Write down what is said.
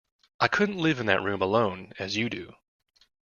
I couldn't live in that room alone, as you do.